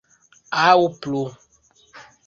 Aŭ plu.